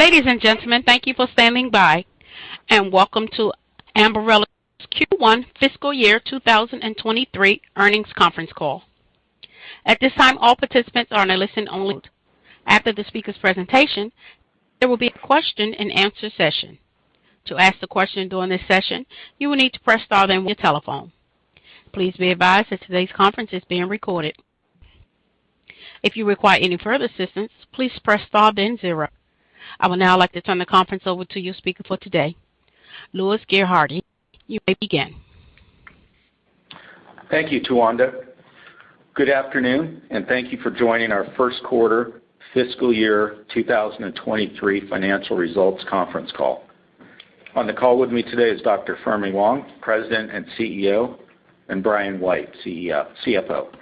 Ladies and gentlemen, thank you for standing by, and welcome to Ambarella's Q1 Fiscal Year 2023 Earnings Conference Call. At this time, all participants are in a listen-only mode. After the speaker's presentation, there will be a question and answer session. To ask a question during this session, you will need to press star, then one on your telephone. Please be advised that today's conference is being recorded. If you require any further assistance, please press star, then zero. I would now like to turn the conference over to your speaker for today, Louis Gerhardy. You may begin. Thank you, Tawanda. Good afternoon and thank you for joining our First Quarter Fiscal Year 2023 financial Results conference call. On the call with me today is Dr. Fermi Wang, President and CEO, and Brian White, CFO.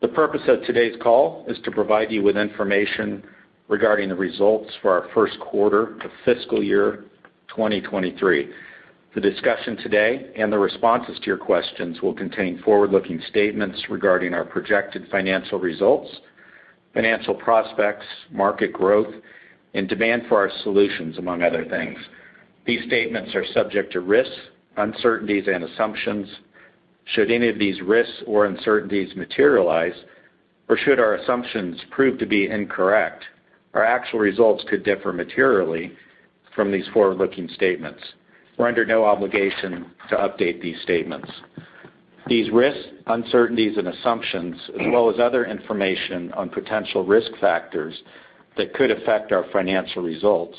The purpose of today's call is to provide you with information regarding the results for our first quarter for Fiscal Year 2023. The discussion today and the responses to your questions will contain forward-looking statements regarding our projected financial results, financial prospects, market growth, and demand for our solutions, among other things. These statements are subject to risks, uncertainties, and assumptions. Should any of these risks, or uncertainties materialize, or should our assumptions prove to be incorrect, our actual results could differ materially from these forward-looking statements. We're under no obligation to update these statements. These risks, uncertainties, and assumptions, as well as other information on potential risk factors that could affect our financial results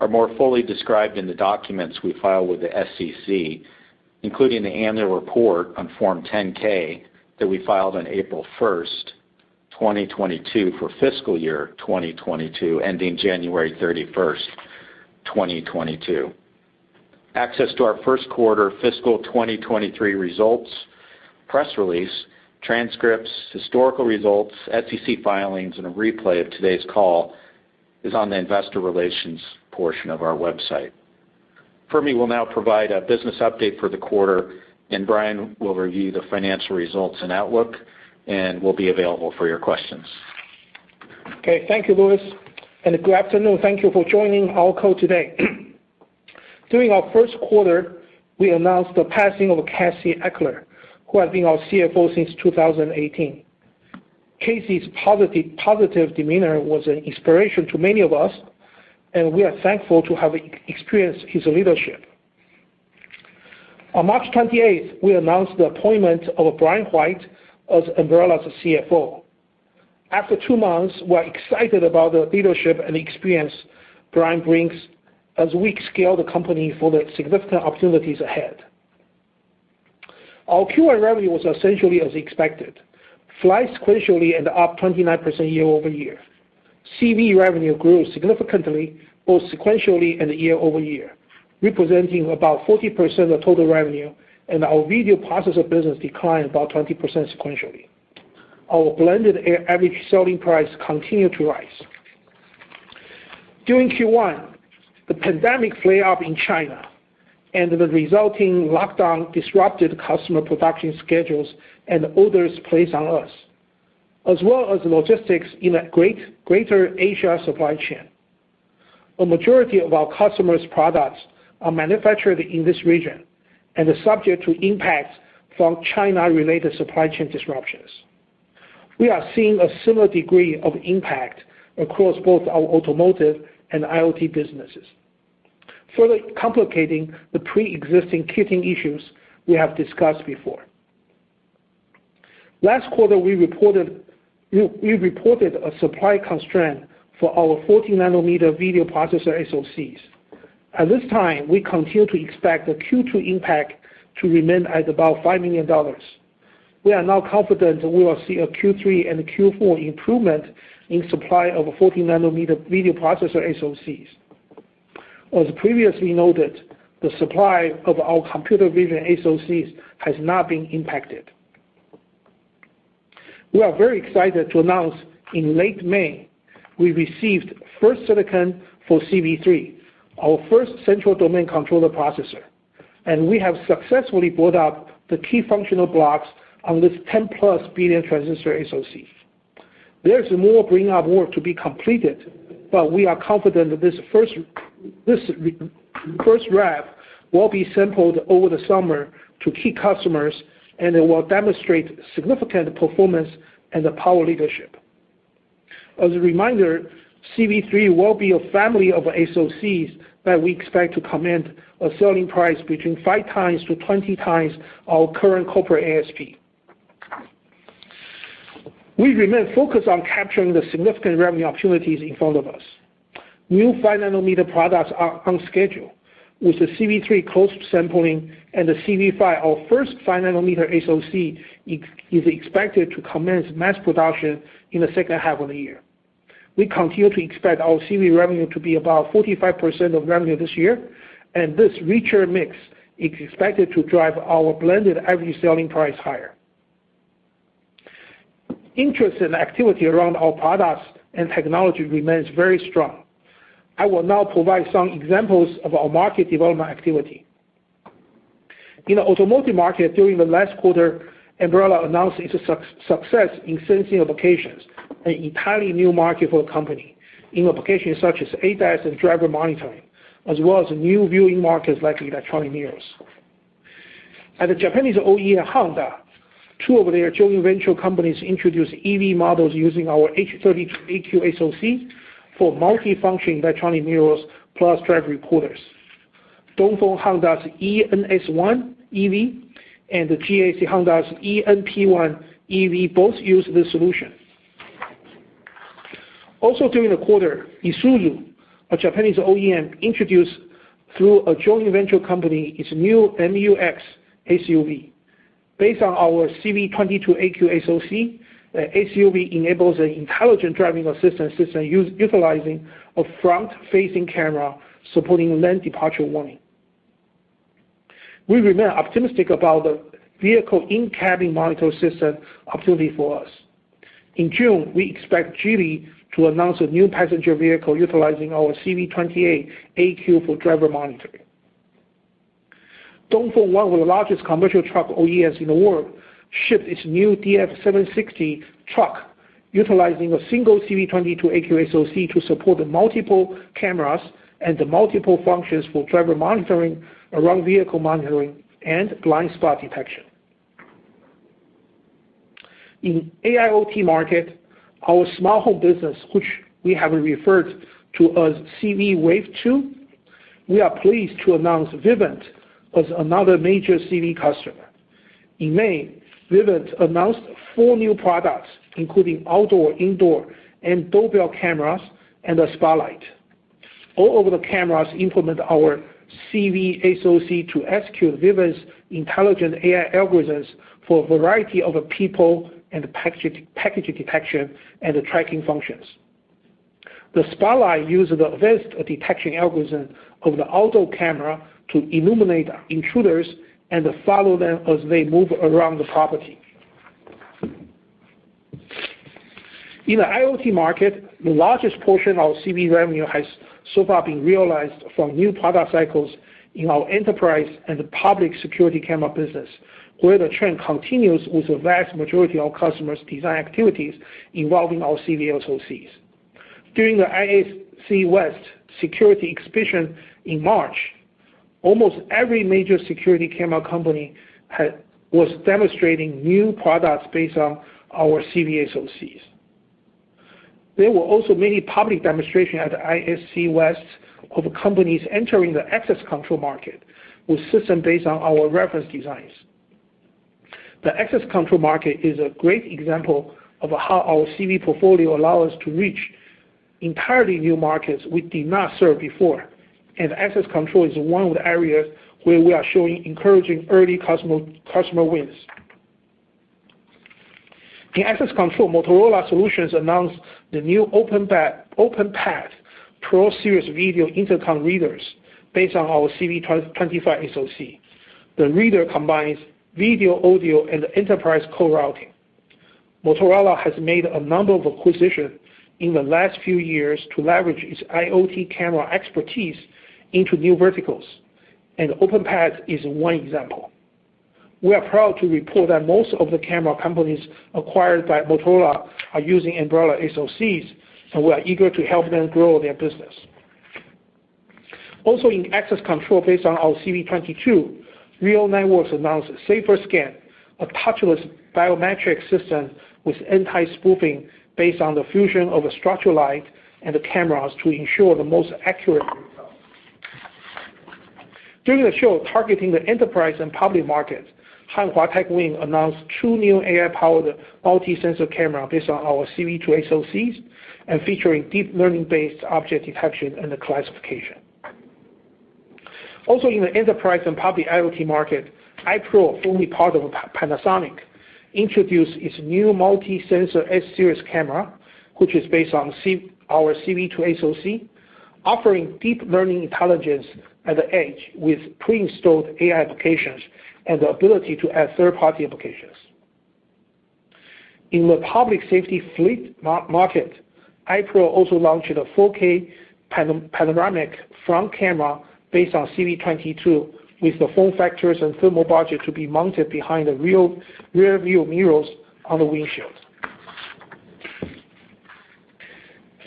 are more fully described in the documents we file with the SEC, including the annual report on Form 10-K that we filed on April 1, 2022 for Fiscal Year 2022, ending January 31st, 2022. Access to our first quarter Fiscal 2023 results, press release, transcripts, historical results, SEC filings, and a replay of today's call is on the investor relations portion of our website. Fermi will now provide a business update for the quarter, and Brian will review the financial results and outlook, and will be available for your questions. Okay. Thank you, Louis, and good afternoon. Thank you for joining our call today. During our first quarter, we announced the passing of Casey Eichler who had been our CFO since 2018. Casey's positive demeanor was an inspiration to many of us and we are thankful to have experienced his leadership. On March 28th, we announced the appointment of Brian White as Ambarella's CFO. After two months, we're excited about the leadership and experience Brian brings as we scale the company for the significant opportunities ahead. Our Q1 revenue was essentially as expected, flat sequentially and up 29% year-over-year. CV revenue grew significantly, both sequentially and year-over-year, representing about 40% of total revenue, and our video processor business declined about 20% sequentially. Our blended average selling price continued to rise. During Q1, the pandemic flare-up in China and the resulting lockdown disrupted customer production schedules and orders placed on us, as well as logistics in the greater Asia supply chain. A majority of our customers' products are manufactured in this region and are subject to impacts from China-related supply chain disruptions. We are seeing a similar degree of impact across both our automotive and IoT businesses further complicating the pre-existing kitting issues we have discussed before. Last quarter, we've reported a supply constraint for our 40-nanometer video processor SoCs. At this time, we continue to expect the Q2 impact to remain at about $5 million. We are now confident we will see a Q3 and Q4 improvement in supply of a 40-nm video processor SoCs. As previously noted, the supply of our computer vision SoCs has not been impacted. We are very excited to announce in late May, we received first silicon for CV3, our first central domain controller processor, and we have successfully brought up the key functional blocks on this 10+ billion transistor SoC. There's more bring up work to be completed, but we are confident that this first rev will be sampled over the summer to key customers, and it will demonstrate significant performance and power leadership. As a reminder, CV3 will be a family of SoCs that we expect to command a selling price between 5x to 20x our current corporate ASP. We remain focused on capturing the significant revenue opportunities in front of us. New 5-nm products are on schedule with the CV3 close to sampling, and the CV5, our first 5-nm SoC, is expected to commence mass production in the second half of the year. We continue to expect our CV revenue to be about 45% of revenue this year and this richer mix is expected to drive our blended average selling price higher. Interest and activity around our products and technology remains very strong. I will now provide some examples of our market development activity. In the automotive market during the last quarter, Ambarella announced its success in sensing applications, an entirely new market for a company. In applications such as ADAS and driver monitoring, as well as new viewing markets like electronic mirrors. At the Japanese OEM Honda, two of their joint venture companies introduced EV models using our H32AQ SoC for multifunction electronic mirrors plus drive recorders. Dongfeng Honda's e:NS1 EV and the GAC Honda's e:NP1 EV both use this solution. Also during the quarter, Isuzu, a Japanese OEM, introduced through a joint venture company, its new MU-X SUV. Based on our CV22AQ SoC, the SUV enables an intelligent driving assistance system utilizing a front-facing camera supporting lane departure warning. We remain optimistic about the vehicle in-cabin monitor system opportunity for us. In June, we expect Geely to announce a new passenger vehicle utilizing our CV28AQ for driver monitoring. Dongfeng, one of the largest commercial truck OEMs in the world shipped its new DF760 truck utilizing a single CV22AQ SoC to support the multiple cameras and the multiple functions for driver monitoring around vehicle monitoring, and blind spot detection. In AIoT market, our smart home business, which we have referred to as CV wave two, we are pleased to announce Vivint as another major CV customer. In May, Vivint announced four new products, including outdoor, indoor, and doorbell cameras, and a spotlight. All of the cameras implement our CV SoC to execute Vivint's intelligent AI algorithms for a variety of people and package detection and the tracking functions. The spotlight uses the best detection algorithm of the outdoor camera to illuminate intruders and follow them as they move around the property. In the IoT market, the largest portion of CV revenue has so far been realized from new product cycles in our enterprise and the public security camera business where the trend continues with the vast majority of customers' design activities involving our CV SoCs. During the ISC West Security Exhibition in March, almost every major security camera company was demonstrating new products based on our CV SoCs. There were also many public demonstration at ISC West of companies entering the access control market with system based on our reference designs. The access control market is a great example of how our CV portfolio allow us to reach entirely new markets we did not serve before and access control is one of the areas where we are showing encouraging early customer wins. In access control, Motorola Solutions announced the new Openpath Pro series video intercom readers based on our CV25 SoC. The reader combines video, audio, and enterprise call routing. Motorola has made a number of acquisitions in the last few years to leverage its IoT camera expertise into new verticals, and Openpath is one example. We are proud to report that most of the camera companies acquired by Motorola are using Ambarella SoCs and we're eager to help them grow their business. In access control based on our CV22, RealNetworks announced SAFR SCAN, a touchless biometric system with anti-spoofing based on the fusion of a structured light and the cameras to ensure the most accurate results. During the show, targeting the enterprise and public markets, Hanwha Techwin announced two new AI-powered multi-sensor camera based on our CV2 SoCs and featuring deep learning-based object detection and classification. In the enterprise and public IoT market, i-PRO, a full part of Panasonic, introduced its new multi-sensor S-Series camera, which is based on our CV2 SoC, offering deep learning intelligence at the edge with pre-installed AI applications and the ability to add third-party applications. In the public safety fleet market, i-PRO also launched a 4K panoramic front camera based on CV22 with the form factors and thermal budget to be mounted behind the rear view mirrors on the windshields.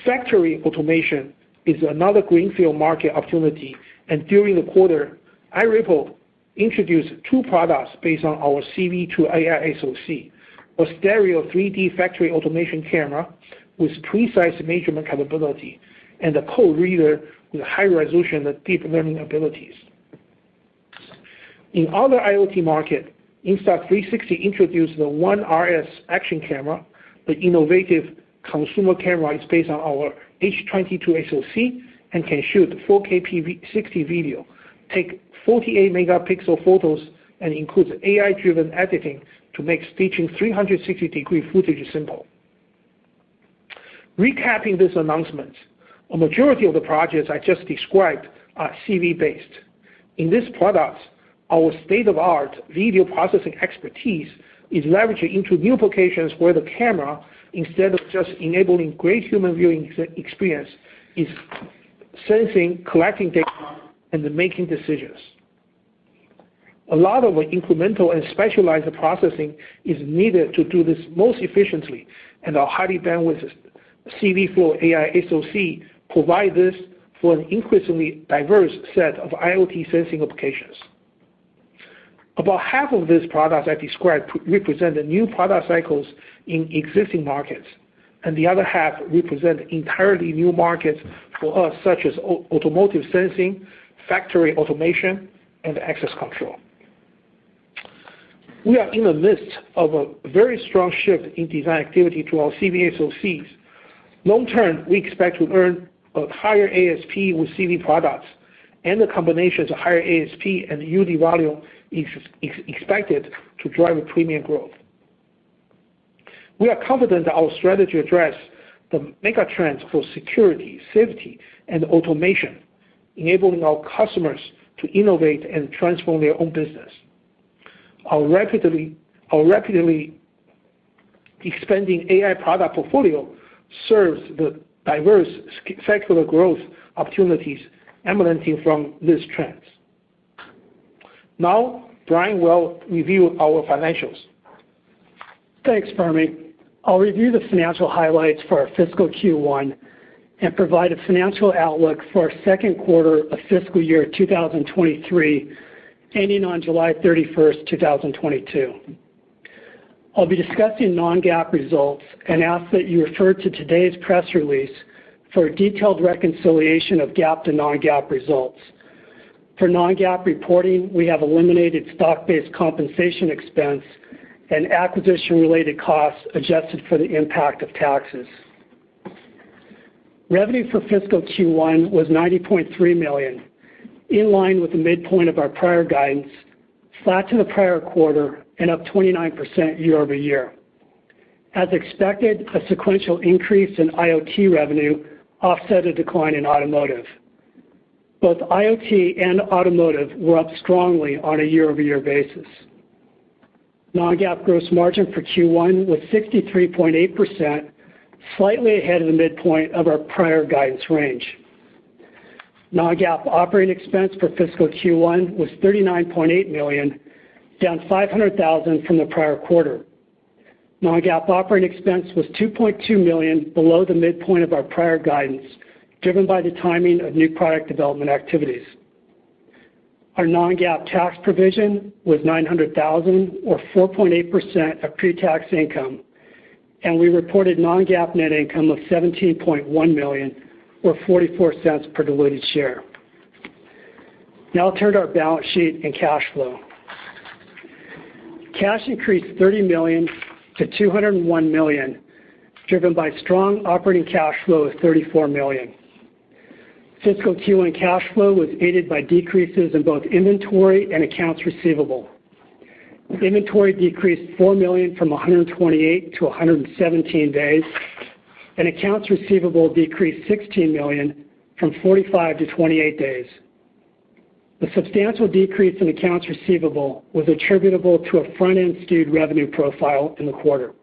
Factory automation is another greenfield market opportunity, and during the quarter, iRAYPLE introduced two products based on our CV2AI SoC, a stereo 3D factory automation camera with precise measurement capability, and a code reader with high resolution and deep learning abilities. In other IoT market, Insta360 introduced the ONE RS action camera. The innovative consumer camera is based on our H22 SoC and can shoot 4K 60 video, take 48-MP photos, and includes AI-driven editing to make stitching 360-degree footage simple. Recapping this announcement, a majority of the projects I just described are CV-based. In this product, our state-of-the-art video processing expertise is leveraging into new applications where the camera, instead of just enabling great human viewing experience, is sensing, collecting data, and then making decisions. A lot of incremental and specialized processing is needed to do this most efficiently, and our high bandwidth CV4 AI SoC provide this for an increasingly diverse set of IoT sensing applications. About half of these products I described represent the new product cycles in existing markets, and the other half represent entirely new markets for us, such as automotive sensing, factory automation, and access control. We are in the midst of a very strong shift in design activity to our CV SoCs. Long-term, we expect to earn a higher ASP with CV products and the combinations of higher ASP and unit volume is expected to drive a premium growth. We are confident that our strategy addresses the mega trends for security, safety, and automation enabling our customers to innovate and transform their own business. Our rapidly expanding AI product portfolio serves the diverse secular growth opportunities emanating from these trends. Now, Brian will review our financials. Thanks, Fermi. I'll review the financial highlights for our Fiscal Q1 and provide a financial outlook for our second quarter of Fiscal Year 2023, ending on July 31st, 2022. I'll be discussing non-GAAP results and ask that you refer to today's press release for a detailed reconciliation of GAAP to non-GAAP results. For non-GAAP reporting, we have eliminated stock-based compensation expense and acquisition-related costs adjusted for the impact of taxes. Revenue for Fiscal Q1 was $90.3 million, in line with the midpoint of our prior guidance, flat to the prior quarter, and up 29% year-over-year. As expected, a sequential increase in IoT revenue offset a decline in automotive. Both IoT and automotive were up strongly on a year-over-year basis. Non-GAAP gross margin for Q1 was 63.8%, slightly ahead of the midpoint of our prior guidance range. Non-GAAP operating expense for Fiscal Q1 was $39.8 million down $500,000 from the prior quarter. Non-GAAP operating expense was $2.2 million below the midpoint of our prior guidance driven by the timing of new product development activities. Our non-GAAP tax provision was $900,000 or 4.8% of pre-tax income, and we reported non-GAAP net income of $17.1 million or $0.44 per diluted share. Now I'll turn to our balance sheet and cash flow. Cash increased $30 million to $201 million driven by strong operating cash flow of $34 million. Fiscal Q1 cash flow was aided by decreases in both inventory and accounts receivable. Inventory decreased $4 million from 128 days to 117 days, and accounts receivable decreased $16 million from 45 days to 28 days. The substantial decrease in accounts receivable was attributable to a front-end skewed revenue profile in the quarter.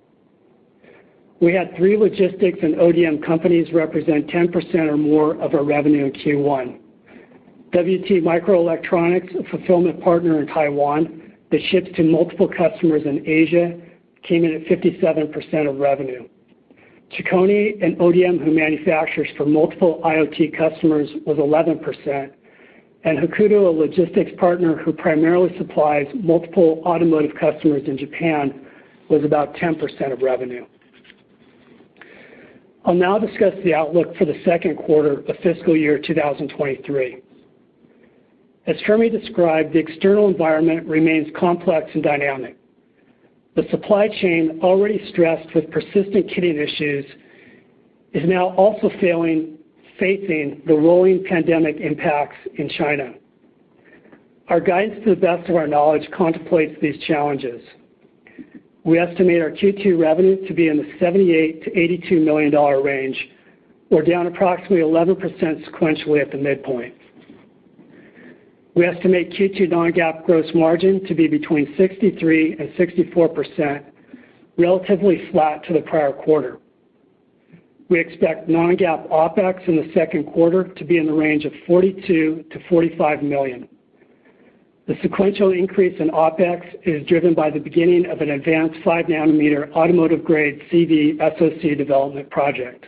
We had three logistics and ODM companies represent 10% or more of our revenue in Q1. WT Microelectronics, a fulfillment partner in Taiwan that ships to multiple customers in Asia came in at 57% of revenue. Chicony, an ODM who manufactures for multiple IoT customers, was 11%. Hakuto, a logistics partner who primarily supplies multiple automotive customers in Japan, was about 10% of revenue. I'll now discuss the outlook for the second quarter of Fiscal Year 2023. As Fermi described, the external environment remains complex and dynamic. The supply chain already stressed with persistent COVID issues is now also facing the rolling pandemic impacts in China. Our guidance, to the best of our knowledge, contemplates these challenges. We estimate our Q2 revenue to be in the $78 million to $82 million range. We're down approximately 11% sequentially at the midpoint. We estimate Q2 non-GAAP gross margin to be between 63% and 64% relatively flat to the prior quarter. We expect non-GAAP OpEx in the second quarter to be in the range of $42 million to $45 million. The sequential increase in OpEx is driven by the beginning of an advanced 5-nm automotive grade CV SoC development project.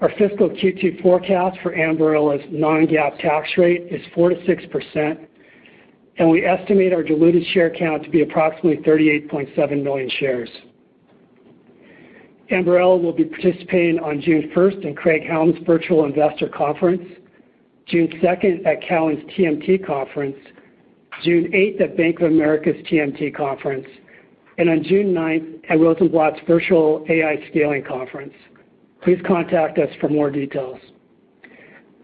Our Fiscal Q2 forecast for Ambarella's non-GAAP tax rate is 4% to 6%, and we estimate our diluted share count to be approximately 38.7 million shares. Ambarella will be participating on June 1st in Craig-Hallum Virtual Investor Conference, June 2nd at Cowen's TMT Conference, June 8 at Bank of America's TMT Conference, and on June 9th at Rosenblatt's Virtual AI Scaling Conference. Please contact us for more details.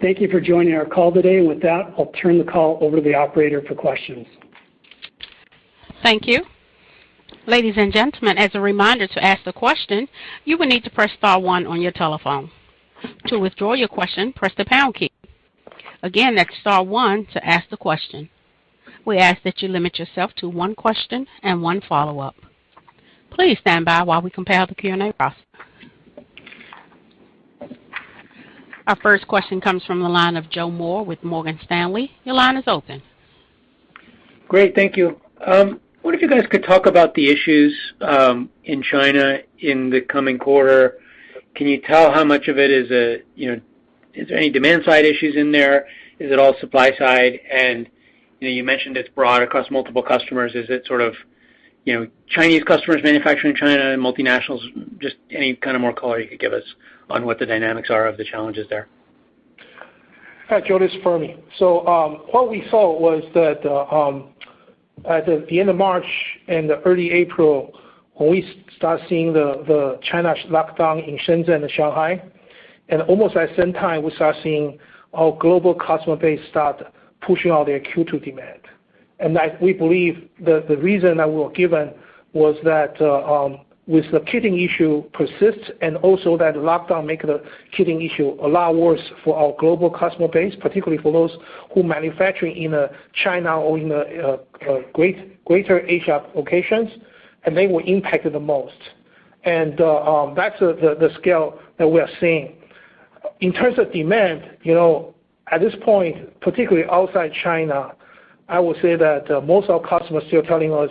Thank you for joining our call today. With that, I'll turn the call over to the operator for questions. Thank you. Ladies and gentlemen, as a reminder, to ask the question, you will need to press star one on your telephone. To withdraw your question, press the pound key. Again, that's star one to ask the question. We ask that you limit yourself to one question and one follow-up. Please stand by while we compile the Q&A process. Our first question comes from the line of Joe Moore with Morgan Stanley. Your line is open. Great. Thank you. I wonder if you guys could talk about the issues in China in the coming quarter. Can you tell how much of it is, you know, is there any demand-side issues in there? Is it all supply side? You mentioned it's broad across multiple customers. Is it sort of, you know, Chinese customers manufacturing in China and multinationals? Just any kind of more color you could give us on what the dynamics are of the challenges there. Hi, Joe, this is Fermi. What we saw was that at the end of March and early April, when we start seeing China's lockdown in Shenzhen and Shanghai, almost at the same time we start seeing our global customer base start pushing out their Q2 demand. We believe the reason that were given was that with the kitting issue persists and also that lockdown make the kitting issue a lot worse for our global customer base, particularly for those who manufacture in China or in greater Asia locations, and they were impacted the most. That's the scale that we are seeing. In terms of demand, you know, at this point, particularly outside China, I would say that most of our customers are still telling us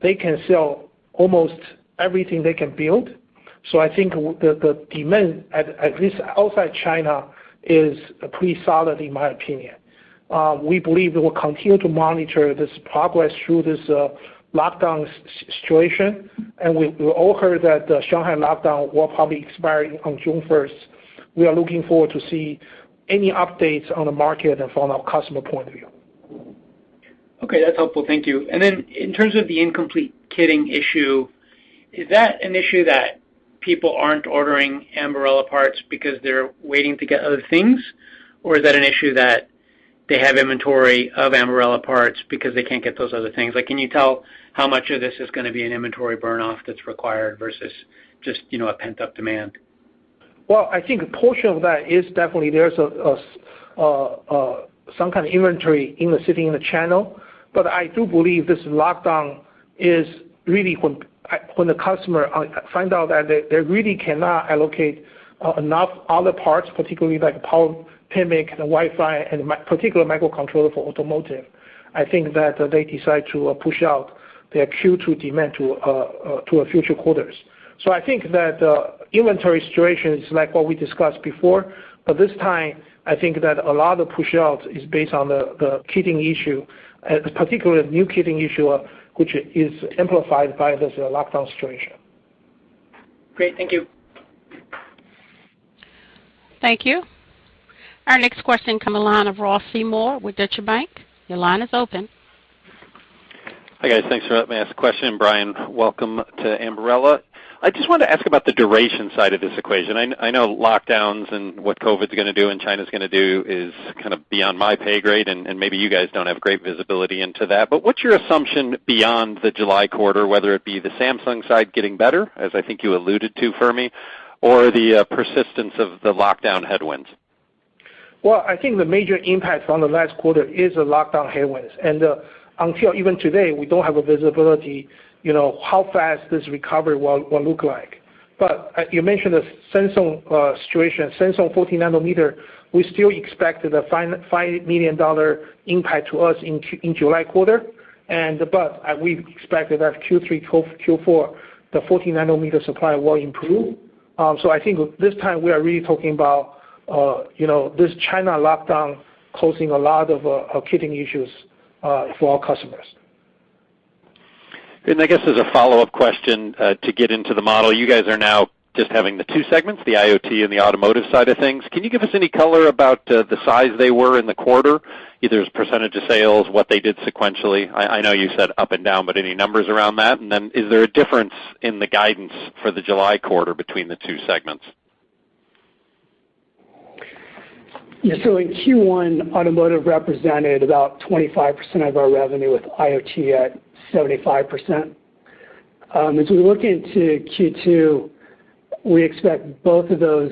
they can sell almost everything they can build. I think the demand at least outside China is pretty solid in my opinion. We believe we will continue to monitor this progress through this lockdown situation. We all heard that the Shanghai lockdown will probably expire on June 1st. We are looking forward to see any updates on the market and from our customer point of view. Okay. That's helpful. Thank you. In terms of the incomplete kitting issue, is that an issue that people aren't ordering Ambarella parts because they're waiting to get other things? Is that an issue that they have inventory of Ambarella parts because they can't get those other things? Can you tell how much of this is going to be an inventory burn off that's required versus just, you know, a pent-up demand? Well, I think a portion of that is definitely there's some kind of inventory sitting in the channel. I do believe this lockdown is really when the customer find out that they really cannot allocate enough other parts, particularly like power, PMIC, the Wi-Fi and in particular microcontroller for automotive. I think that they decide to push out their Q2 demand to future quarters. I think that inventory situation is like what we discussed before, but this time, I think that a lot of pushouts is based on the kitting issue and particularly the new kitting issue, which is amplified by this lockdown situation. Great. Thank you. Thank you. Our next question comes from the line of Ross Seymore with Deutsche Bank. Your line is open. Hi, guys. Thanks for letting me ask a question. Brian, welcome to Ambarella. I just wanted to ask about the duration side of this equation. I know lockdowns and what COVID is going to do and China's going to do is kind of beyond my pay grade, and maybe you guys don't have great visibility into that. What's your assumption beyond the July quarter, whether it be the Samsung side getting better, as I think you alluded to, Fermi, or the persistence of the lockdown headwinds? Well, I think the major impact from the last quarter is the lockdown headwinds. Until even today, we don't have visibility, you know, how fast this recovery will look like. You mentioned the Samsung situation. Samsung 40 nm, we still expect the $5 million impact to us in July quarter. We expect that as Q3, Q4, the 40 nm supply will improve. I think this time we are really talking about, you know, this China lockdown causing a lot of kitting issues for our customers. As a follow-up question, to get into the model, you guys are now just having the two segments, the IoT and the automotive side of things. Can you give us any color about the size that they were in the quarter, either as percentage of sales, what they did sequentially? I know you said up and down, but any numbers around that? Is there a difference in the guidance for the July quarter between the two segments? In Q1, automotive represented about 25% of our revenue with IoT at 75%. As we look into Q2, we expect both of those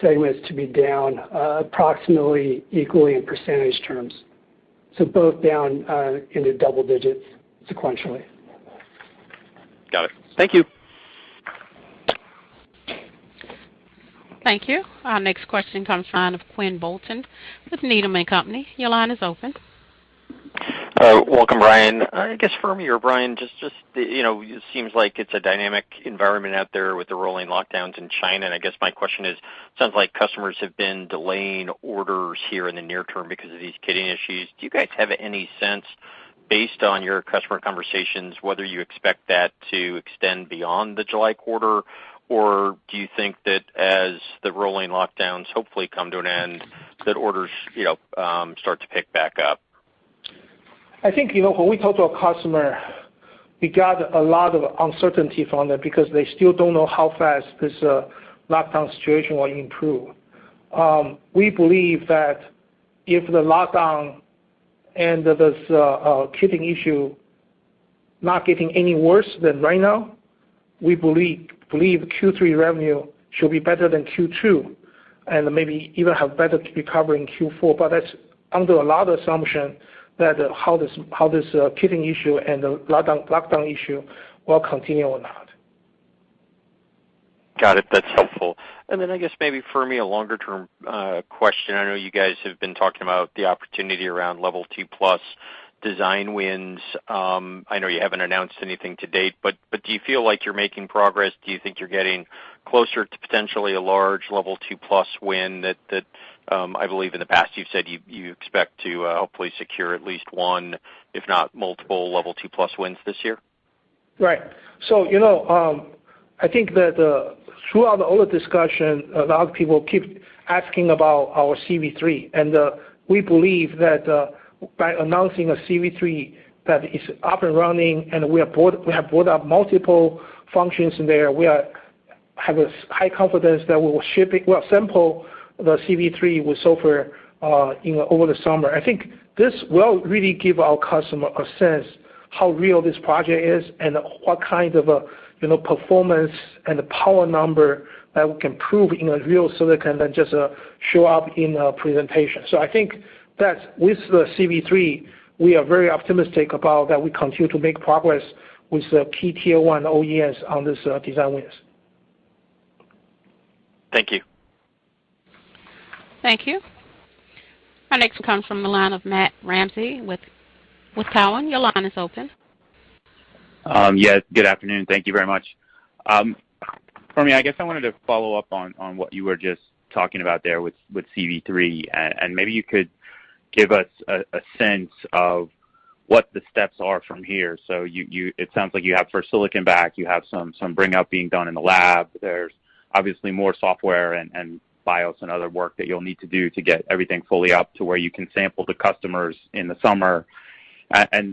segments to be down approximately equally in percentage terms. Both down in the double-digits sequentially. Got it. Thank you. Thank you. Our next question comes from the line of Quinn Bolton with Needham & Company. Your line is open. Welcome, Brian. For me or Brian, just, you know, it seems like it's a dynamic environment out there with the rolling lockdowns in China. My question is, it sounds like customers have been delaying orders here in the near term because of these kitting issues. Do you guys have any sense based on your customer conversations, whether you expect that to extend beyond the July quarter or do you think that as the rolling lockdowns hopefully come to an end, that orders, you know, start to pick back up? I think, you know, when we talk to a customer, we got a lot of uncertainty from them because they still don't know how fast this lockdown situation will improve. We believe that if the lockdown and this kitting issue not getting any worse than right now, we believe Q3 revenue should be better than Q2, and maybe even have better recovery in Q4. That's under a lot of assumption that how this kitting issue and the lockdown issue will continue or not. Got it. That's helpful. Maybe for me, a longer-term question. I know you guys have been talking about the opportunity around Level 2+ design wins. I know you haven't announced anything to date, but do you feel like you're making progress? Do you think you're getting closer to potentially a large Level 2+ win that I believe in the past you've said you expect to hopefully secure at least one, if not multiple Level 2+ wins this year? Right. I think that throughout all the discussion, a lot of people keep asking about our CV3. We believe that by announcing a CV3 that is up and running, and we have brought up multiple functions in there, we have a high confidence that we will ship it. We'll sample the CV3 with software, you know, over the summer. I think this will really give our customer a sense how real this project is and what kind of a, you know, performance and the power number that we can prove in a real silicon than just show up in a presentation. I think that with the CV3, we are very optimistic about that we continue to make progress with Tier-One OEMs on this design wins. Thank you. Thank you. Our next comes from the line of Matt Ramsay with Cowen. Your line is open. Yes, good afternoon. Thank you very much. For me, I wanted to follow up on what you were just talking about there with CV3, and maybe you could give us a sense of what the steps are from here. It sounds like you have first silicon back, you have some bring-up being done in the lab. There's obviously more software and BIOS and other work that you'll need to do to get everything fully up to where you can sample the customers in the summer.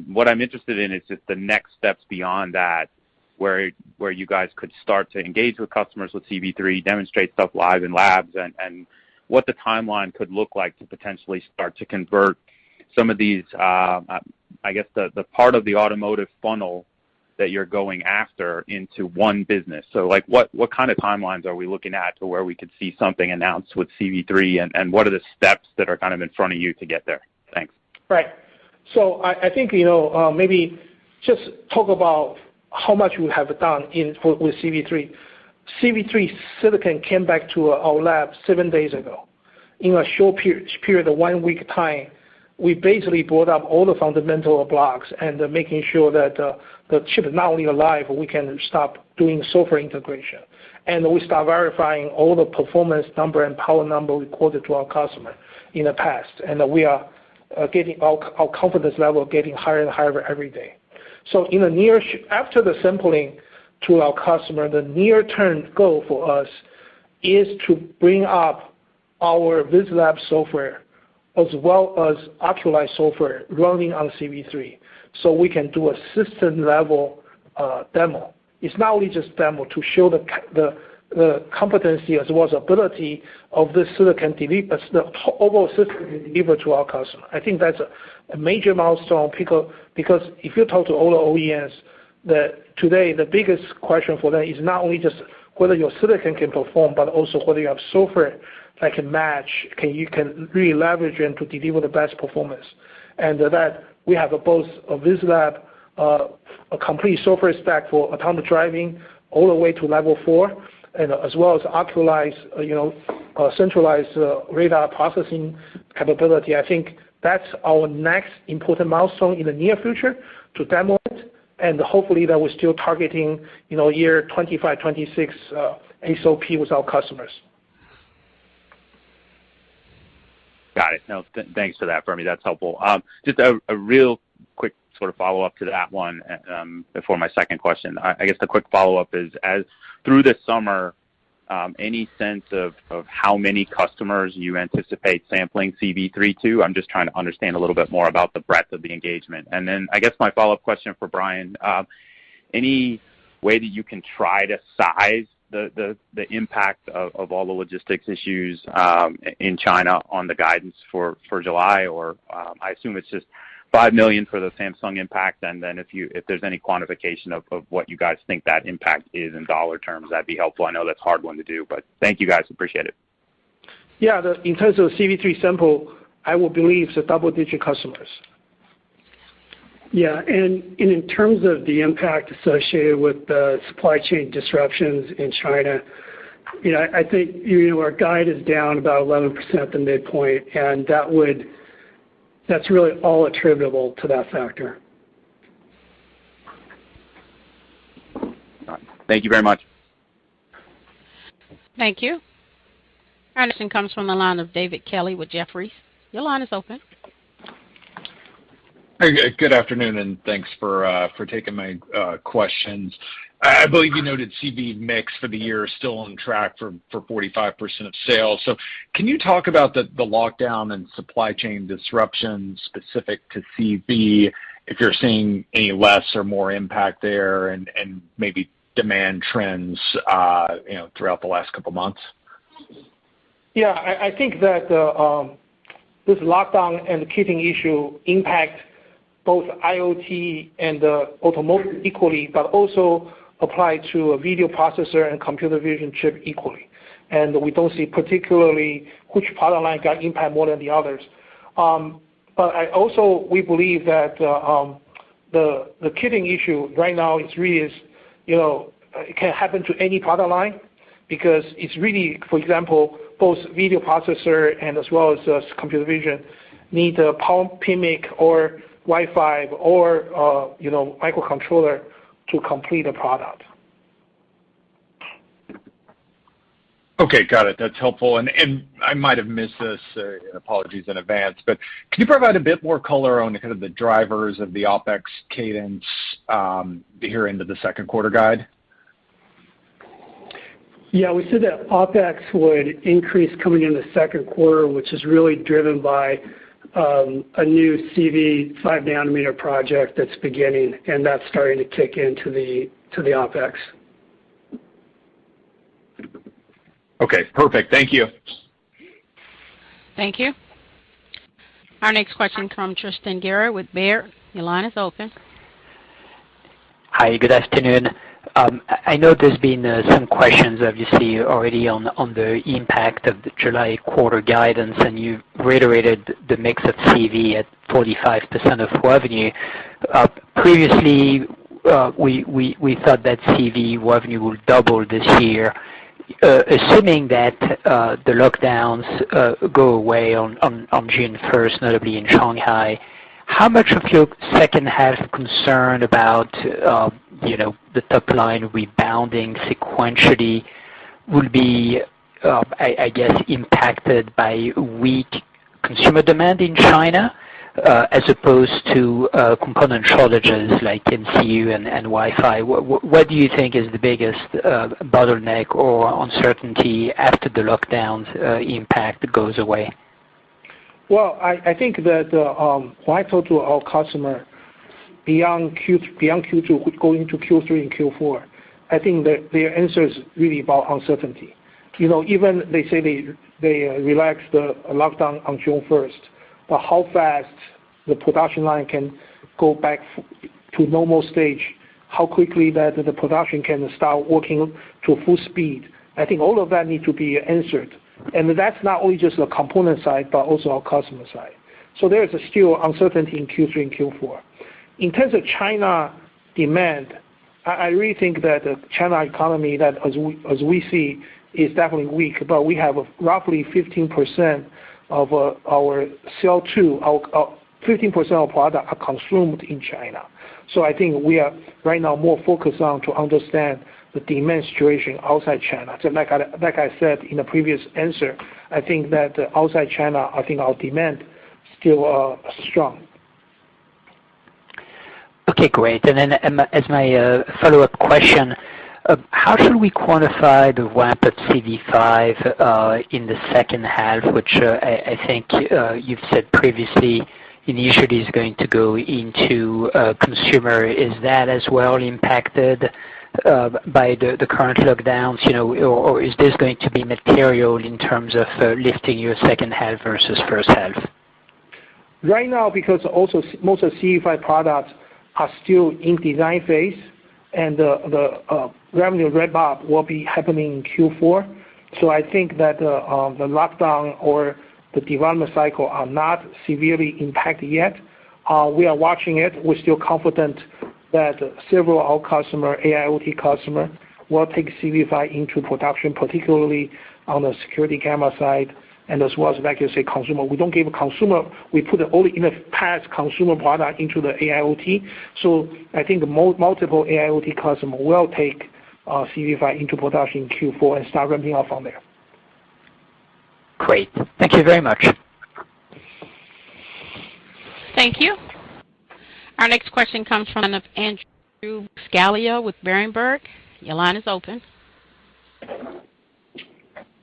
What I'm interested in is just the next steps beyond that, where you guys could start to engage with customers with CV3, demonstrate stuff live in labs, and what the timeline could look like to potentially start to convert some of these, the part of the automotive funnel that you're going after into one business. What kind of timelines are we looking at to where we could see something announced with CV3? What are the steps that are kind of in front of you to get there? Thanks. Right. I think, you know, maybe just talk about how much we have done with CV3. CV3 silicon came back to our lab seven days ago. In a short period of one week time, we basically brought up all the fundamental blocks and making sure that the chip is not only alive, but we can start doing software integration. We start verifying all the performance number and power number we quoted to our customer in the past. We are getting our confidence level getting higher and higher every day. After the sampling to our customer, the near-term goal for us is to bring up our VisLab software as well as Oculii software running on CV3, so we can do a system level demo. It's not only just demo to show the competency as well as ability of this silicon delivery, the overall system delivery to our customer. I think that's a major milestone because if you talk to all the OEMs today the biggest question for them is not only just whether your silicon can perform, but also whether you have software that can match, you can really leverage and to deliver the best performance. That we have both a VisLab, a complete software stack for autonomous driving all the way to Level 4, and as well as Oculii, you know, centralized radar processing capability. I think that's our next important milestone in the near future to demo it, and hopefully that we're still targeting, you know, year 2025, 2026, SOP with our customers. Got it. No, thanks for that, Fermi. That's helpful. Just a real quick sort of follow-up to that one, before my second question. The quick follow-up is through this summer, any sense of how many customers you anticipate sampling CV3 to? I'm just trying to understand a little bit more about the breadth of the engagement. Then I guess my follow-up question for Brian, any way that you can try to size the impact of all the logistics issues in China on the guidance for July? I assume it's just $5 million for the Samsung impact. Then if there's any quantification of what you guys think that impact is in dollar terms, that'd be helpful. I know that's a hard one to do, but thank you, guys. Appreciate it. Yeah. In terms of CV3 sample, I will believe it's a double-digit customers. Yeah. In terms of the impact associated with the supply chain disruptions in China, you know, I think, you know, our guide is down about 11% at the midpoint, and that's really all attributable to that factor. Got it. Thank you very much. Thank you. Our next question comes from the line of David Kelley with Jefferies. Your line is open. Hey, good afternoon, and thanks for taking my questions. I believe you noted CV mix for the year is still on track for 45% of sales. Can you talk about the lockdown and supply chain disruptions specific to CV, if you're seeing any less or more impact there and maybe demand trends, you know, throughout the last couple of months? Yeah. I think that this lockdown and the kitting issue impact both IoT and the automotive equally, but also, apply to a video processor and computer vision chip equally. We don't see particularly which product line got impact more than the others. But we believe that the kitting issue right now is really, you know, it can happen to any product line because it's really, for example, both video processor and as well as computer vision need a power PMIC or Wi-Fi or, you know, microcontroller to complete a product. Okay. Got it. That's helpful. I might have missed this, apologies in advance. Can you provide a bit more color on kind of the drivers of the OpEx cadence here into the second quarter guide? Yeah. We said that OpEx would increase coming into second quarter, which is really driven by a new CV 5-nm project that's beginning, and that's starting to kick into the OpEx. Okay. Perfect. Thank you. Thank you. Our next question comes from Tristan Gerra with Baird. Your line is open. Hi. Good afternoon. I know there's been some questions obviously already on the impact of the July quarter guidance and you've reiterated the mix of CV at 45% of revenue. Previously, we thought that CV revenue will double this year. Assuming that the lockdowns go away on June 1st, notably in Shanghai, how much of your second half concern about, you know, the top line rebounding sequentially will be impacted by weak consumer demand in China, as opposed to component shortages like MCU and Wi-Fi? What do you think is the biggest bottleneck or uncertainty after the lockdowns impact goes away? I think that when I talk to our customer beyond Q2 going into Q3 and Q4, I think that their answer is really about uncertainty, you know, even they say they relax the lockdown on June 1st, but how fast the production line can go back to normal stage, how quickly that the production can start working to full speed. I think all of that need to be answered. That's not only just the component side, but also our customer side. There is still uncertainty in Q3 and Q4. In terms of China demand, I really think that the China economy that as we see is definitely weak, but we have roughly 15% of our product are consumed in China. I think we are right now more focused on to understand the demand situation outside China, like I said in the previous answer, I think that outside China, I think our demand still are strong. Okay, great. As my follow-up question, how should we quantify the ramp of CV5 in the second half, which I think you've said previously initially is going to go into consumer? Is that as well impacted by the current lockdowns or is this going to be material in terms of lifting your second half versus first half? Right now, because also most of CV5 products are still in design phase and the revenue ramp-up will be happening in Q4, so I think that the lockdown or the development cycle are not severely impacted yet. We are watching it. We're still confident that several of our customers, AIoT customers will take CV5 into production, particularly on the security camera side, and as well as, like you say, consumer. We don't give consumer. We put all the past consumer products into the AIoT. So I think multiple AIoT customers will take CV5 into production in Q4 and start ramping up from there. Great. Thank you very much. Thank you. Our next question comes from Andrew Buscaglia with Berenberg. Your line is open.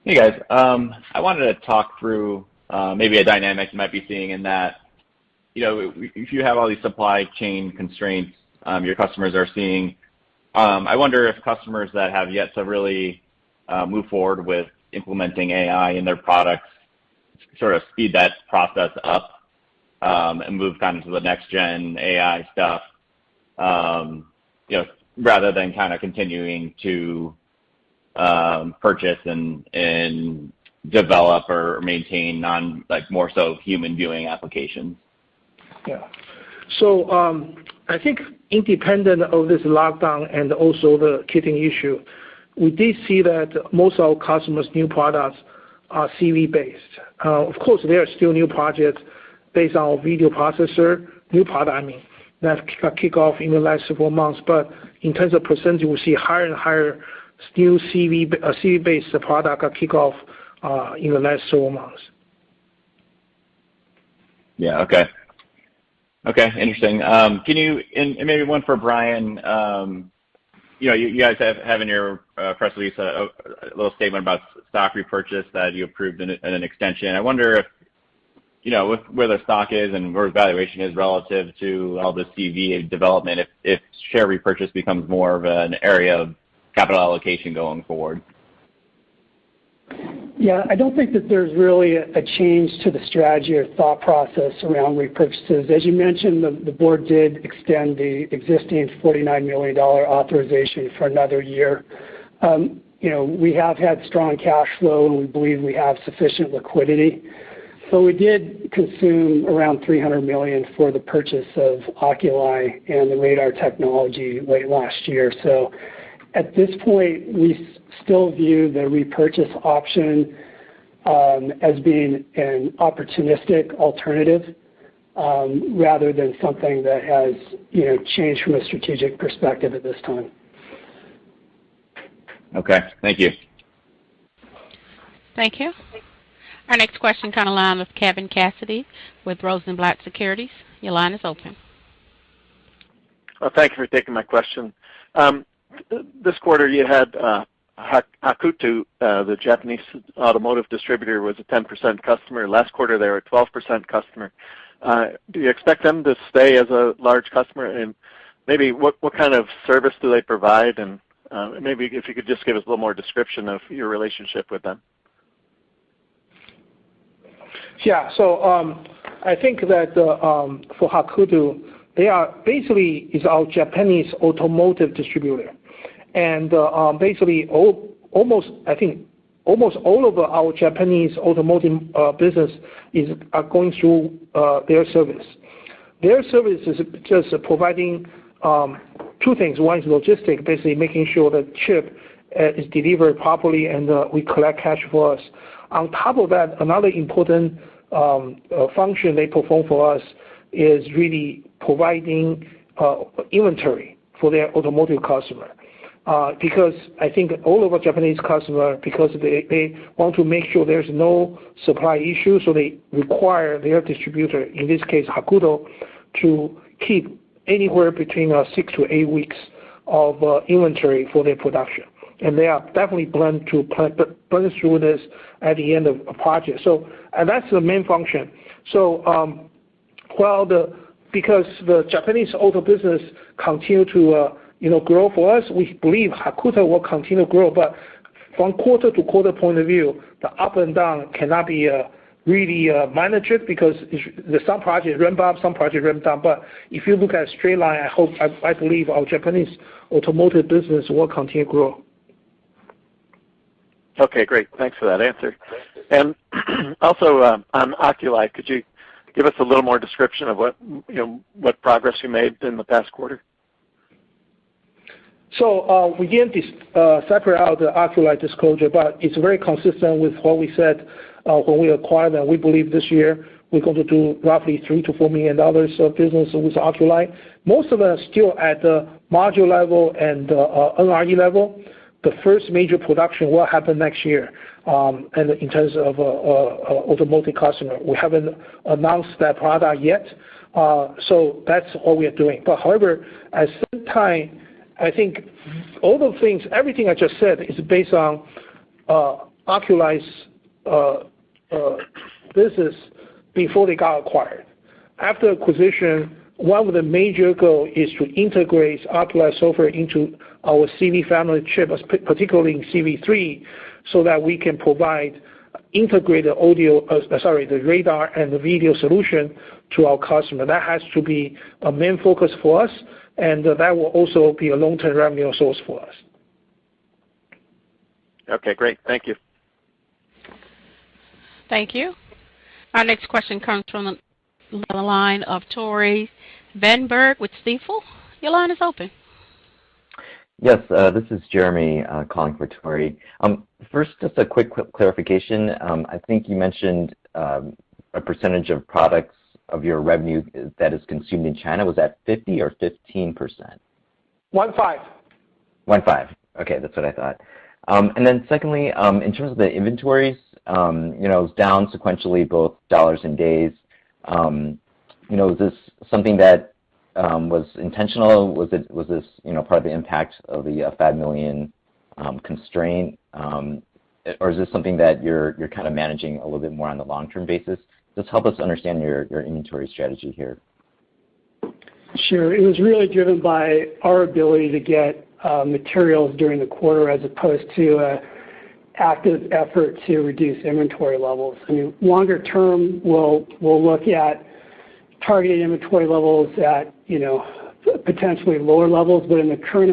Hey, guys. I wanted to talk through maybe a dynamic you might be seeing in that, you know, if you have all these supply chain constraints your customers are seeing. I wonder if customers that have yet to really move forward with implementing AI in their products sort of speed that process up and move kind of to the next gen AI stuff, you know, rather than kind of continuing to purchase and develop or maintain non-AI, like more so human viewing applications. Yeah. I think independent of this lockdown and also the kitting issue, we did see that most of our customers' new products are CV-based. Of course, there are still new projects based on video processor, new product, I mean, that kick off in the last several months. In terms of percentage, we see higher and higher still CV-based product kick off in the last several months. Yeah. Okay. Okay, interesting, and maybe one for Brian. You guys have in your press release a little statement about stock repurchase that you approved an extension. I wonder if, you know, with where the stock is and where valuation is relative to all the CV development if share repurchase becomes more of an area of capital allocation going forward? Yeah, I don't think that there's really a change to the strategy or thought process around repurchases. As you mentioned, the board did extend the existing $49 million authorization for another year. You know, we have had strong cash flow and we believe we have sufficient liquidity. We did consume around $300 million for the purchase of Oculii and the radar technology late of last year. At this point, we still view the repurchase option as being an opportunistic alternative rather than something that has changed from a strategic perspective at this time. Okay, thank you. Thank you. Our next question comes online with Kevin Cassidy with Rosenblatt Securities. Your line is open. Well, thank you for taking my question. This quarter you had Hakuto, the Japanese automotive distributor, was a 10% customer. Last quarter, they were a 12% customer. Do you expect them to stay as a large customer and maybe what kind of service do they provide? Maybe if you could just give us a little more description of your relationship with them. Yeah. I think that for Hakuto, they are basically our Japanese automotive distributor. Basically almost all of our Japanese automotive business is going through their service. Their service is just providing two things. One is logistic, basically making sure that chip is delivered properly and we collect cash for us. On top of that, another important function they perform for us is really providing inventory for their automotive customer. Because I think all of our Japanese customer, because they want to make sure there's no supply issue, so they require their distributor, in this case, Hakuto, to keep anywhere between six weeks to eight weeks of inventory for their production. They are definitely planned to push through this at the end of a project. That's the main function. Because the Japanese auto business continue to grow for us, we believe Hakuto will continue to grow. From quarter-to-quarter point of view, the up and down cannot be really managed, because there's some project ramp up, some project ramp down. If you look at a straight line, I believe our Japanese automotive business will continue to grow. Okay, great. Thanks for that answer. Also, on Oculii, could you give us a little more description of what, you know, what progress you made in the past quarter? We didn't separate out the Oculii disclosure but it's very consistent with what we said when we acquired them. We believe this year we're going to do roughly $3 million to $4 million of business with Oculii. Most of them are still at the module level and NRE level. The first major production will happen next year and in terms of auto multi-customer. We haven't announced that product yet. That's all we are doing. However, at the same time, I think all the things, everything I just said is based on Oculii's business before they got acquired. After acquisition, one of the major goal is to integrate Oculii software into our CV family chip, particularly in CV3, so that we can provide integrated radar and video solution to our customer. That has to be a main focus for us and that will also be a long-term revenue source for us. Okay, great. Thank you. Thank you. Our next question comes from the line of Tore Svanberg with Stifel. Your line is open. Yes, this is Jeremy calling for Tore. First, just a quick clarification. I think you mentioned a percentage of products of your revenue that is consumed in China, was that 50% or 15%? 15%. 15%, okay, that's what I thought. Secondly, in terms of the inventories, you know, it was down sequentially both dollars and days. Is this something that was intentional? Was this, you know, part of the impact of the $5 million constraint or is this something that you're kind of managing a little bit more on the long-term basis? Just help us understand your inventory strategy here. Sure. It was really driven by our ability to get materials during the quarter as opposed to an active effort to reduce inventory levels. I mean, longer term, we'll look at targeted inventory levels at, you know, potentially lower levels. In the current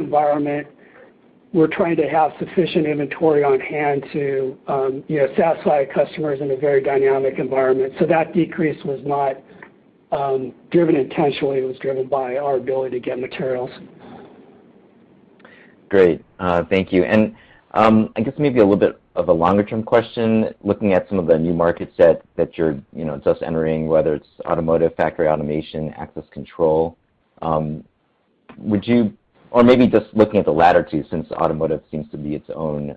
environment, we're trying to have sufficient inventory on hand to, you know, satisfy customers in a very dynamic environment. That decrease was not driven intentionally. It was driven by our ability to get materials. Great. Thank you. Maybe a little bit of a longer term question, looking at some of the new markets that you're, you know, just entering, whether it's automotive, factory automation, access control. Maybe just looking at the latter two, since automotive seems to be its own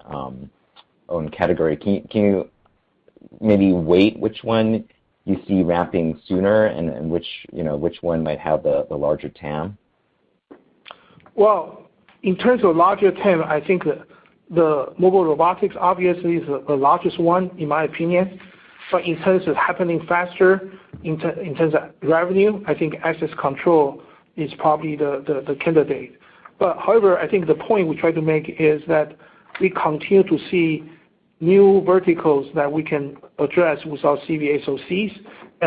category. Can you maybe weigh which one you see ramping sooner and which, you know, which one might have the larger TAM? Well, in terms of larger TAM, I think the mobile robotics obviously is the largest one in my opinion. In terms of happening faster, in terms of revenue, I think access control is probably the candidate. However, I think the point we try to make is that we continue to see new verticals that we can address with our CV SoCs.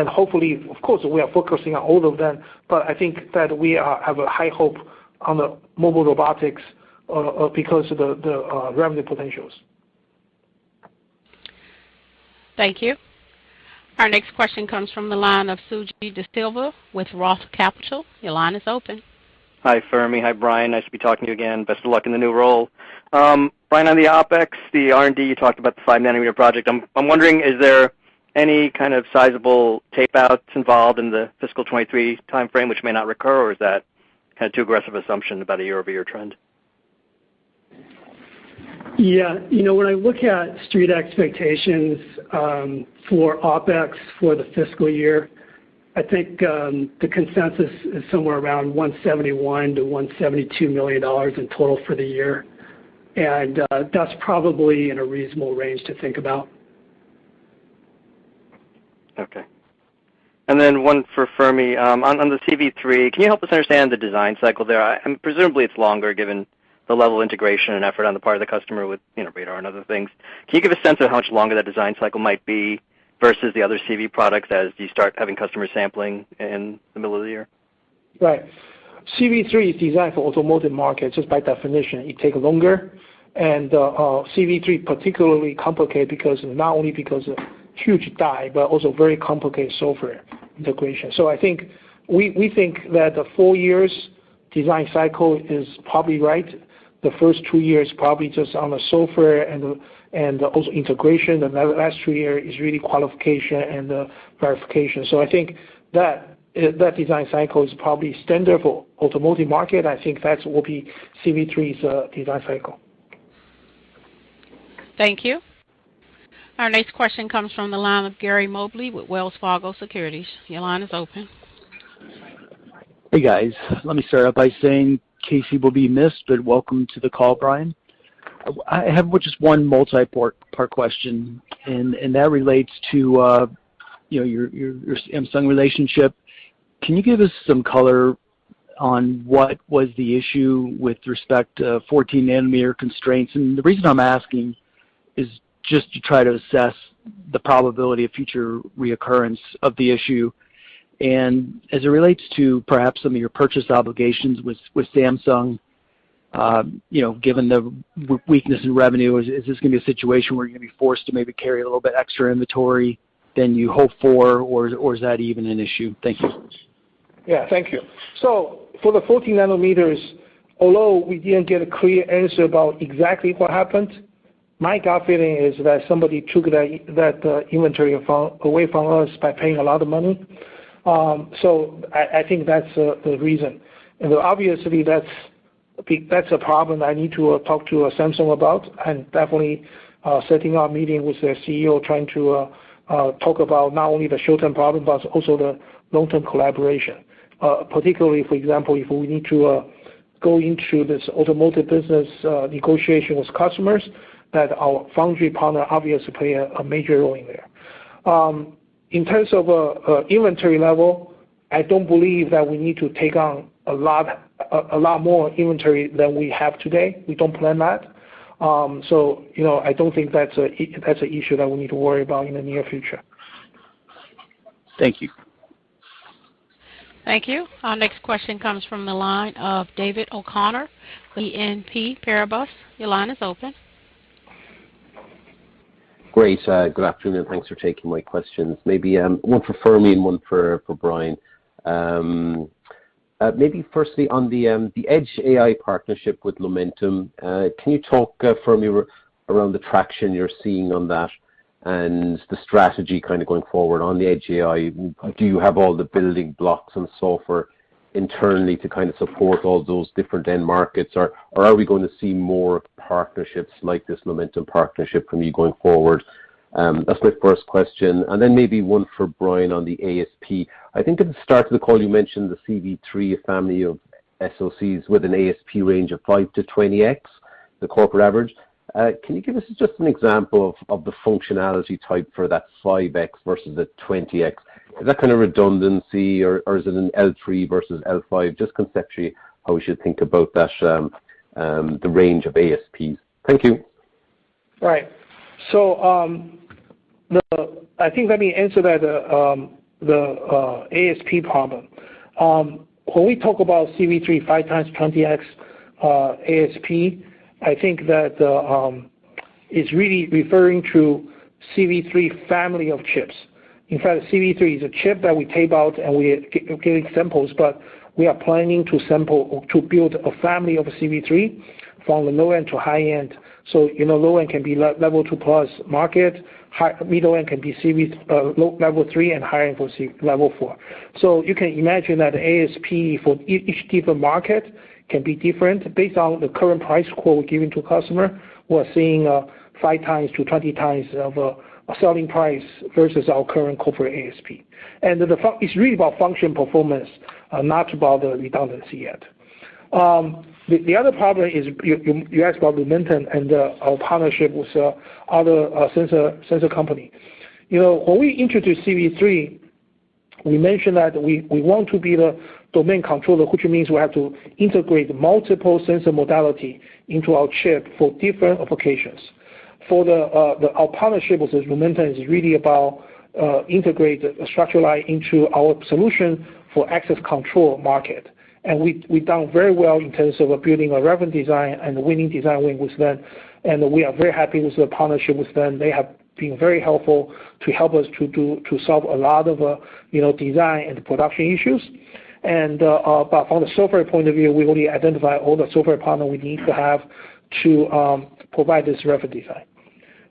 Hopefully, of course, we are focusing on all of them, but I think that we have a high hope on the mobile robotics because of the revenue potentials. Thank you. Our next question comes from the line of Suji Desilva with Roth Capital Partners. Your line is open. Hi, Fermi. Hi, Brian. Nice to be talking to you again. Best of luck in the new role. Brian, on the OpEx, the R&D, you talked about the 5-nm project. I'm wondering, is there any kind of sizable tapeouts involved in the Fiscal 2023 timeframe which may not recur, or is that kind of too aggressive assumption about a year-over-year trend? Yeah. When I look at street expectations for OpEx for the fiscal year, I think the consensus is somewhere around $171 million to $172 million in total for the year. That's probably in a reasonable range to think about. One for Fermi. On the CV3, can you help us understand the design cycle there? Presumably, it's longer given the level of integration and effort on the part of the customer with, you know, radar and other things. Can you give a sense of how much longer that design cycle might be versus the other CV products as you start having customer sampling in the middle of the year? Right. CV3 is designed for automotive markets just by definition. It take longer, and CV3 particularly complicated because not only because of huge die, but also very complicated software integration. I think we think that the four years design cycle is probably right. The first two years probably just on the software and the integration, and the last two year is really qualification and the verification. I think that design cycle is probably standard for automotive market. I think that will be CV3's design cycle. Thank you. Our next question comes from the line of Gary Mobley with Wells Fargo Securities. Your line is open. Hey, guys. Let me start out by saying Casey will be missed, but welcome to the call, Brian. I have just one multi-part question and that relates to you know your Samsung relationship. Can you give us some color on what was the issue with respect to 14-nm constraints? The reason I'm asking is just to try to assess the probability of future reoccurrence of the issue. As it relates to perhaps some of your purchase obligations with Samsung, you know, given the weakness in revenue, is this going to be a situation where you're going to be forced to maybe carry a little bit extra inventory than you hope for or is that even an issue? Thank you. Yeah. Thank you. For the 14 nm, although we didn't get a clear answer about exactly what happened, my gut feeling is that somebody took that inventory away from us by paying a lot of money. I think that's the reason. Obviously, that's a problem that I need to talk to Samsung about and definitely setting up meeting with their CEO, trying to talk about not only the short-term problem, but also the long-term collaboration. Particularly, for example, if we need to go into this automotive business negotiation with customers, that our foundry partner, obviously, play a major role in there. In terms of inventory level, I don't believe that we need to take on a lot more inventory than we have today. We don't plan that. You know, I don't think that's an issue that we need to worry about in the near future. Thank you. Thank you. Our next question comes from the line of David O'Connor, BNP Paribas. Your line is open. Great. Good afternoon. Thanks for taking my questions. Maybe one for Fermi and one for Brian. Maybe firstly on the edge AI partnership with Lumentum, can you talk, Fermi, around the traction you're seeing on that and the strategy kind of going forward on the edge AI? Do you have all the building blocks and software internally to kind of support all those different end markets or are we going to see more partnerships like this Lumentum partnership from you going forward? That's my first question. Maybe one for Brian on the ASP. I think at the start of the call you mentioned the CV3 family of SoCs with an ASP range of 5x to 20x the corporate average. Can you give us just an example of the functionality type for that 5x versus the 20x? Is that kind of redundancy or is it an L3 versus L5? Just conceptually, how we should think about that, the range of ASPs. Thank you. Right. I think let me answer that, the ASP problem. When we talk about CV3 5x-20x ASP, I think that it's really referring to CV3 family of chips. In fact, CV3 is a chip that we tape out and we are giving samples, but we are planning to build a family of CV3 from the low-end to high-end. Low-end can be level two plus market. Middle-end can be low level three and high-end for level four. You can imagine that ASP for each different market can be different based on the current price quote given to customer. We're seeing 5x to 20x of a selling price versus our current corporate ASP. It's really about function performance, not about the redundancy yet. The other problem is you asked about Lumentum and our partnership with other sensor company. When we introduced CV3. We mentioned that we want to be the domain controller, which means we have to integrate multiple sensor modality into our chip for different applications. Our partnership with Lumentum is really about integrate structured light into our solution for access control market. We've done very well in terms of building a reference design and winning design win with them. We are very happy with the partnership with them. They have been very helpful to help us to solve a lot of, you know, design and production issues. From the software point of view, we've already identified all the software partner we need to have to provide this reference design.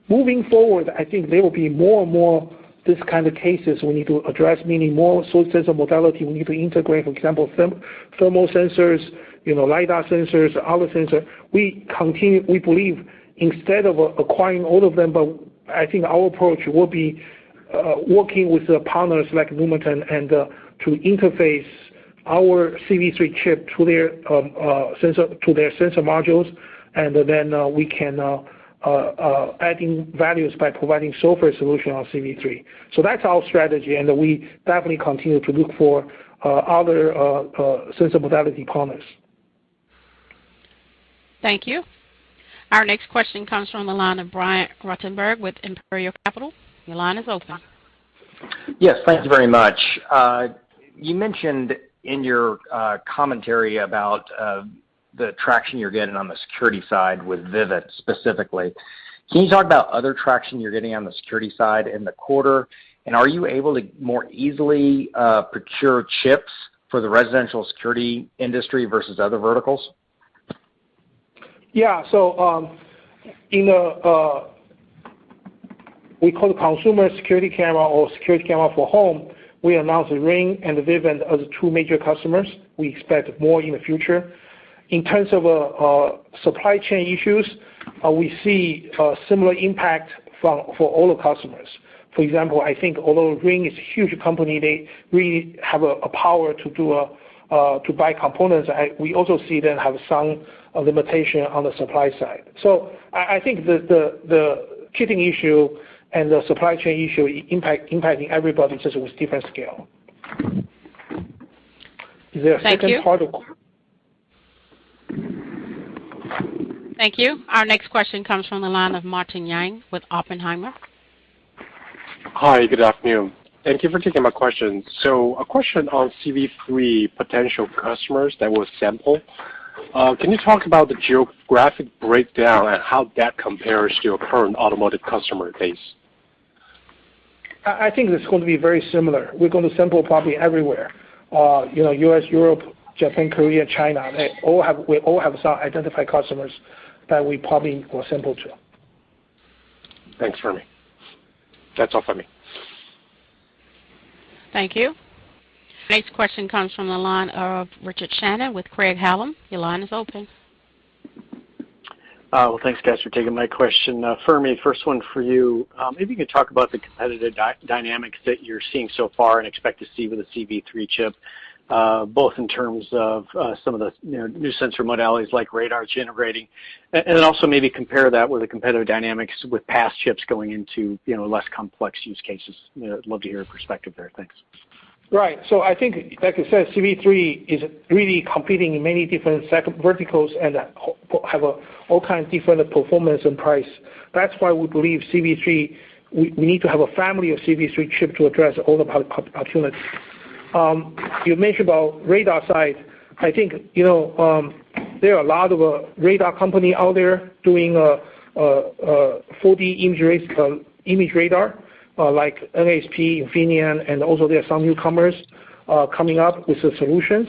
Moving forward, I think there will be more and more this kind of cases we need to address, meaning more sensor modality we need to integrate, for example, thermal sensors, you know, lidar sensors, other sensor. We believe instead of acquiring all of them, but I think our approach will be working with the partners like Lumentum, and to interface our CV3 chip to their sensor modules. We can add value by providing software solution on CV3. That's our strategy and we definitely continue to look for other sensor modality partners. Thank you. Our next question comes from the line of Brian Ruttenbur with Imperial Capital. Your line is open. Yes, thank you very much. You mentioned in your commentary about the traction you're getting on the security side with Vivint specifically. Can you talk about other traction you're getting on the security side in the quarter? Are you able to more easily procure chips for the residential security industry versus other verticals? Yeah. In, we call consumer security camera or security camera for home, we announced Ring and Vivint as the two major customers. We expect more in the future. In terms of supply chain issues, we see a similar impact for all the customers. For example, I think although Ring is a huge company, they really have a power to buy components. We also see them have some limitation on the supply side. I think that the kitting issue and the supply chain issue impacting everybody, just with different scale. Is there a second part of the question? Thank you. Our next question comes from the line of Martin Yang with Oppenheimer. Hi, good afternoon. Thank you for taking my question. A question on CV3 potential customers that we'll sample, can you talk about the geographic breakdown and how that compares to your current automotive customer base? I think it's going to be very similar. We're going to sample probably everywhere, you know, U.S., Europe, Japan, Korea, China. We all have some identified customers that we probably will sample to. Thanks, Fermi. That's all for me. Thank you. Next question comes from the line of Richard Shannon with Craig-Hallum. Your line is open. Well, thanks guys for taking my question. Fermi, first one for you, maybe you could talk about the competitive dynamics that you're seeing so far and expect to see with the CV3 chip, both in terms of some of the, you know, new sensor modalities like radar it's generating. Then also, maybe compare that with the competitive dynamics with past chips going into, you know, less complex use cases. I'd love to hear your perspective there. Thanks. Right. I think, like I said, CV3 is really competing in many different set of verticals and have all kinds of different performance and price. That's why we believe CV3, we need to have a family of CV3 chip to address all the opportunities. You mentioned about radar side. I think, you know, there are a lot of radar company out there doing 4D imaging radar, like NXP, Infineon, and also there are some newcomers coming up with the solutions.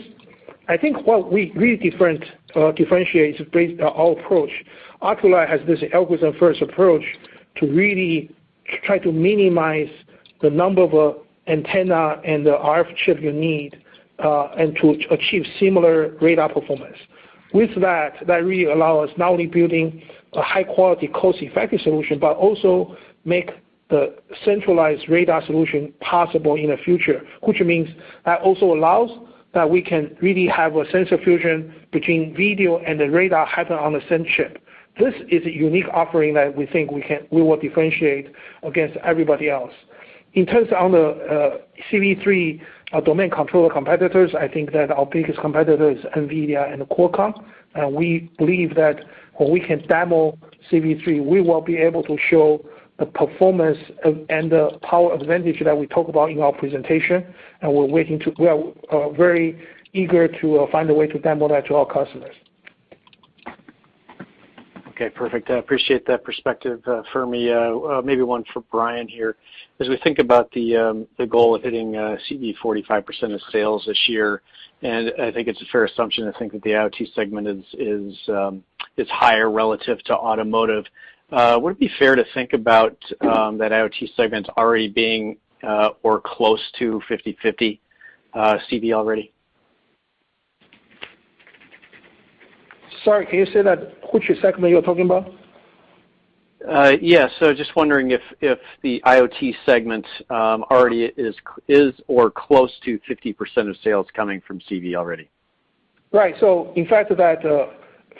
I think what really differentiates is our approach. Oculii has this algorithm-first approach to really try to minimize the number of antenna and the RF chip you need and to achieve similar radar performance. With that, that really allow us not only building a high-quality, cost-effective solution, but also make the centralized radar solution possible in the future, wHich means that also allows that we can really have a sensor fusion between video and the radar happen on the same chip. This is a unique offering that we think we will differentiate against everybody else. In terms of the CV3 domain controller competitors, I think that our biggest competitor is NVIDIA and Qualcomm. We believe that when we can demo CV3, we will be able to show the performance and the power advantage that we talked about in our presentation. We are working to and we are very eager to find a way to demo that to our customers. Okay, perfect. I appreciate that perspective, Fermi and maybe one for Brian here. As we think about the goal of hitting CV 45% of sales this year, and I think it's a fair assumption to think that the IoT segment is higher relative to automotive, would it be fair to think about that IoT segment already being or close to 50/50 CV already? Sorry, can you say that, which segment you're talking about? Yeah. Just wondering if the IoT segment already is or close to 50% of sales coming from CV already? In fact, that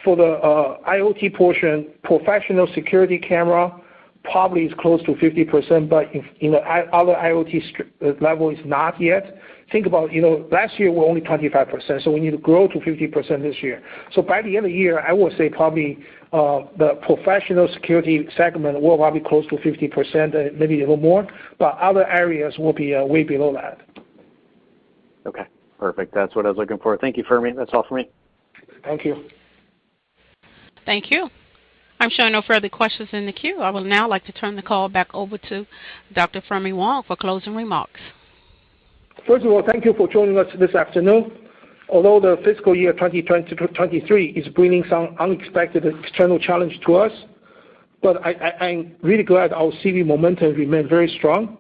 for the IoT portion, professional security camera probably is close to 50%, but in the other IoT level is not yet. Think about, you know, last year we're only 25%, so we need to grow to 50% this year. By the end of the year, I will say probably the professional security segment will probably be close to 50%, maybe a little more, but other areas will be way below that. Okay, perfect. That's what I was looking for. Thank you, Fermi. That's all for me. Thank you. Thank you. I'm showing no further questions in the queue. I would now like to turn the call back over to Dr. Fermi Wang for closing remarks. First of all, thank you for joining us this afternoon. Although the Fiscal Year 2023 is bringing some unexpected external challenge to us, but I'm really glad our CV momentum remained very strong.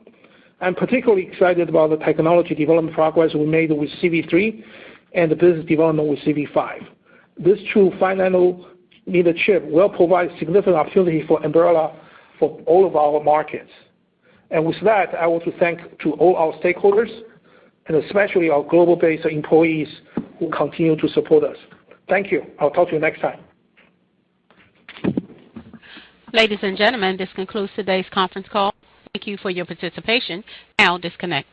I'm particularly excited about the technology development progress we made with CV3 and the business development with CV5. These two final leadership will provide significant opportunity for Ambarella for all of our markets. With that, I want to thank all our stakeholders and especially our global base employees who continue to support us. Thank you. I'll talk to you next time. Ladies and gentlemen, this concludes today's conference call. Thank you for your participation. You can now disconnect.